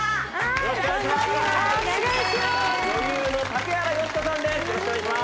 よろしくお願いします。